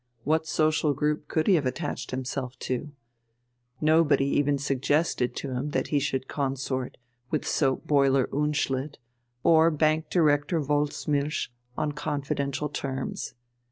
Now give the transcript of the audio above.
What social group could he have attached himself to? Nobody even suggested to him that he should consort with soap boiler Unschlitt or bank director Wolfsmilch on confidential terms.